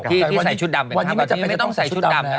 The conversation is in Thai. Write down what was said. ที่ใส่ชุดดำเป็นภาพเก่าไม่ต้องใส่ชุดดำนะฮะ